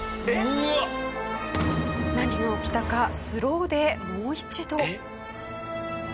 何が起きたかスローでもう一度。